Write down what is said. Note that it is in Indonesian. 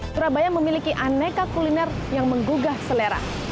surabaya memiliki aneka kuliner yang menggugah selera